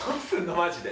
マジで。